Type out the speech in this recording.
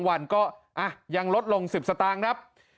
วันก็ยังลดลง๑๐สตางค์ครับ